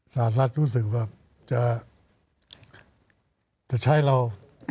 สหรัฐรู้สึกว่าจะใช้เรา